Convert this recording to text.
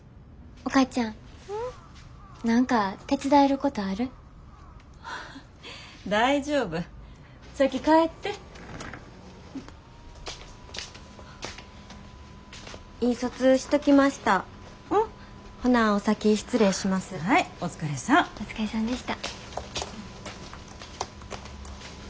お疲れさんでした。